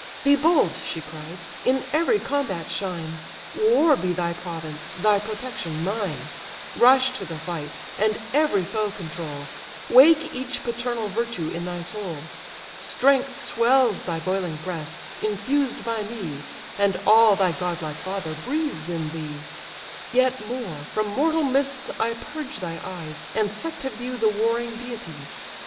"Be bold, (she cried), in every combat shine, War be thy province, thy protection mine; Rush to the fight, and every foe control; Wake each paternal virtue in thy soul: Strength swells thy boiling breast, infused by me, And all thy godlike father breathes in thee; Yet more, from mortal mists I purge thy eyes, And set to view the warring deities.